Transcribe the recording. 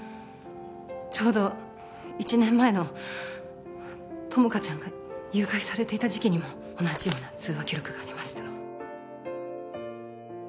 ちょうど１年前の友果ちゃんが誘拐されていた時期にも同じような通話記録がありました